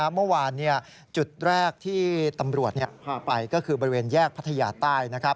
เมื่อวานจุดแรกที่ตำรวจพาไปก็คือบริเวณแยกพัทยาใต้